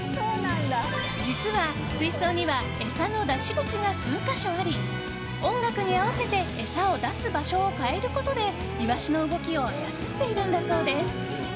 実は水槽には餌の出し口が数か所あり音楽に合わせて餌を出す場所を変えることでイワシの動きを操っているんだそうです。